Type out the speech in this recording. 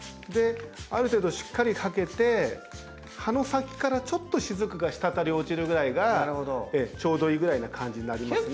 ある程度しっかりかけて葉の先からちょっとしずくが滴り落ちるぐらいがちょうどいいぐらいな感じになりますね。